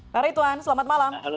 pak ridwan selamat malam